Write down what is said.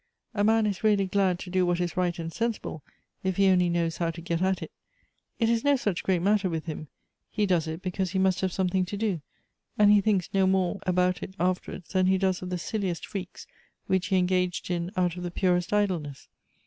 A man is really glad to <lo what is I'ight and sensible, if he only knows how to get at it. It is no such great matter with him ; he does it because he must have something to do, and he thinks no more about it afterwards tlian he does of the silliest freaks which he engaged in out of the purest idleness.